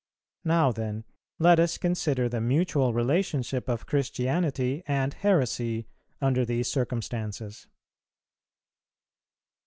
Now, then, let us consider the mutual relation of Christianity and heresy under these circumstances.